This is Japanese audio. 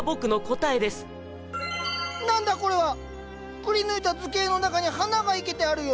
くりぬいた図形の中に花が生けてあるよ。